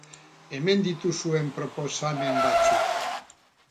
Hemen dituzue proposamen batzuk.